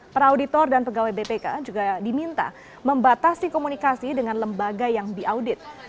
perauditor dan pegawai bpk juga diminta membatasi komunikasi dengan lembaga yang diaudit